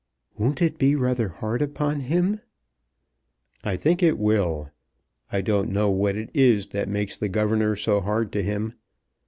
"Won't it be rather hard upon him?" "I think it will. I don't know what it is that makes the governor so hard to him.